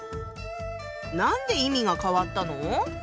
何で意味が変わったの？